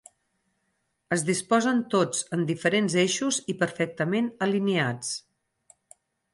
Es disposen tots en diferents eixos i perfectament alineats.